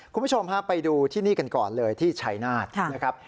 คุณผู้ชมฮะไปดูที่นี่กันก่อนเลยที่ชัยนาธนะครับ